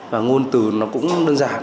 và ngôn từ nó cũng đơn giản